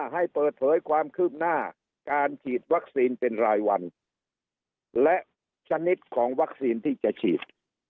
ให้เปิดเผยความคืบหน้าการฉีดวัคซีนเป็นรายวันและชนิดของวัคซีนที่จะฉีด